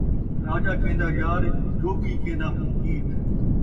راجا کین٘دا یار ، جوڳی کین٘دا میت